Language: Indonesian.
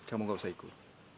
kamu tidak usah ikut